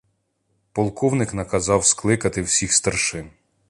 Полковник наказав скликати всіх старшин.